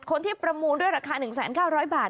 ประมูลด้วยราคา๑๙๐๐บาท